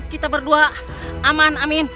kita berdua aman